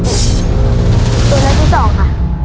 ตัวเลือกที่สองค่ะ